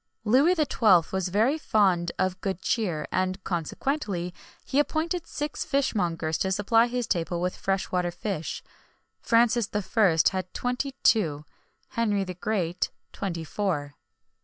Louis XII. was very fond of good cheer, and, consequently, he appointed six fishmongers to supply his table with fresh water fish;[XXI 25] Francis I. had twenty two;[XXI 26] Henry the Great, twenty four.